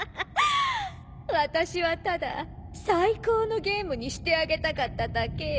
私はただ最高のゲームにしてあげたかっただけよ。